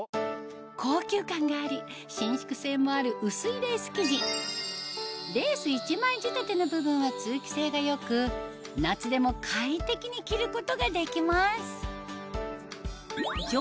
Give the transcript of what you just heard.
高級感があり伸縮性もある薄いレース生地レース１枚仕立ての部分は通気性が良く夏でも快適に着ることができます